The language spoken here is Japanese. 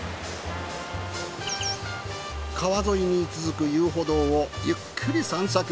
川沿いに続く遊歩道をゆっくり散策。